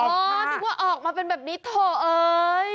นึกว่าออกมาเป็นแบบนี้โถเอ้ย